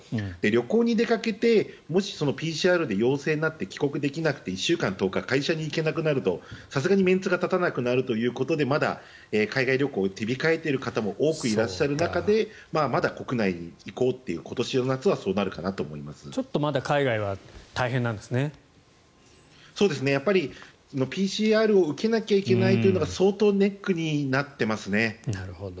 旅行に出かけてもしＰＣＲで陽性になって帰国できなくて１週間、１０日会社に行けなくなるとさすがにメンツが立たなくなるということでまだ海外旅行を手控えている方も多くいらっしゃる中でまだ国内に行こうという今年の夏はちょっとまだ海外はやっぱりＰＣＲを受けなきゃいけないというのが相当、ネックになっていますね。